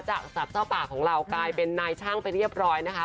จากสัตว์เจ้าป่าของเรากลายเป็นนายช่างไปเรียบร้อยนะคะ